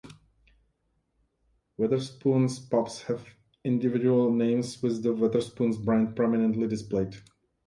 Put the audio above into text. Wetherspoons pubs have individual names, with the Wetherspoons brand prominently displayed.